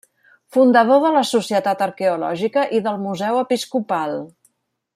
Fundador de la Societat Arqueològica i del Museu Episcopal.